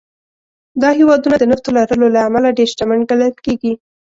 دا هېوادونه د نفتو لرلو له امله ډېر شتمن ګڼل کېږي.